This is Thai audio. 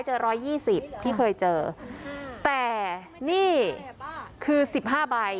ร้อยยี่สิบที่เคยเจอแต่นี่คือสิบห้าใบ